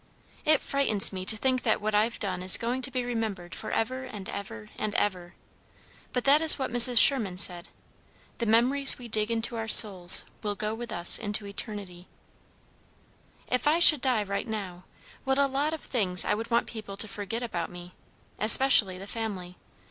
It frightens me to think that what I've done is going to be remembered for ever and ever and ever; but that is what Mrs. Sherman said: 'The memories we dig into our souls will go with us into eternity.' "If I should die right now, what a lot of things I would want people to forget about me; especially the family.